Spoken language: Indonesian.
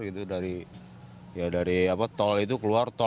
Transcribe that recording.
itu dari tol itu keluar